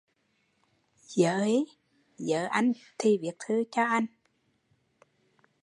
Dớ hí! Dớ anh thì viết thư cho anh